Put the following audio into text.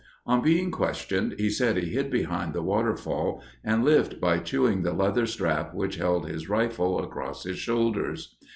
On being questioned, he said he hid behind the Waterfall and lived by chewing the leather strap which held his rifle across his shoulders.